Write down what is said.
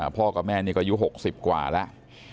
พ่อกับแม่นี่ก็อายุ๖๐กว่าแล้ว